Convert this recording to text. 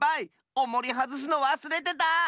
おもりはずすのわすれてた！